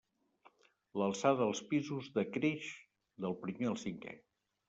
L'alçada dels pisos decreix del primer al cinquè.